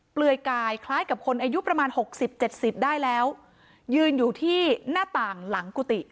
เปลือยกายคล้ายกับคนอายุประมาณหกสิบเจ็ดสิบได้แล้วยืนอยู่ที่หน้าต่างหลังกุฏิ